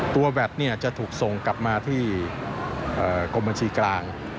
แบตจะถูกส่งกลับมาที่กรมบัญชีกลาง